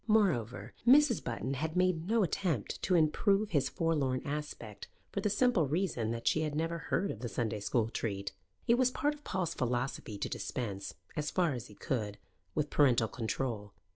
Moreover, Mrs. Button had made no attempt to improve his forlorn aspect, for the simple reason that she had never heard of the Sunday school treat. It was part of Paul's philosophy to dispense, as far as he could, with parental control.